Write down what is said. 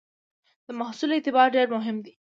د محصول اعتبار ډېر مهم دی.